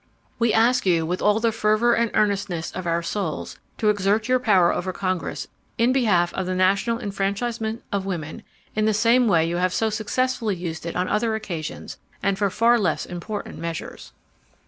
"We ask you with all the fervor and earnestness of our souls to exert your power over Congress in behalf of the national enfranchisement of women in the same way you have so successfully used it on other occasions and for far less important measures.